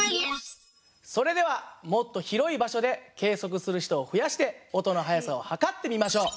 それではもっと広い場所で計測する人を増やして音の速さを測ってみましょう。